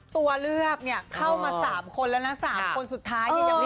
ตัวเลือกเนี่ยเข้ามา๓คนแล้วนะ๓คนสุดท้าย